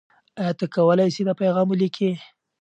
آیا ته کولای سې دا پیغام ولیکې؟